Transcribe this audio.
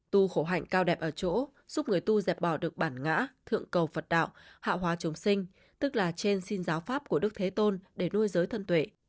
tu khổ hạnh cao đẹp ở chỗ giúp người tu dẹp bỏ được bản ngã thượng cầu phật đạo hạ hóa chống sinh tức là trên xin giáo pháp của đức thế tôn để nuôi giới thân tuệ